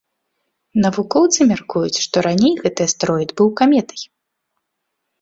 Навукоўцы мяркуюць, што раней гэты астэроід быў каметай.